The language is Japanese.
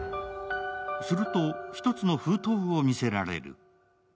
すると、１つの封筒を見せられる。